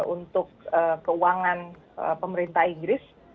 untuk keuangan pemerintah inggris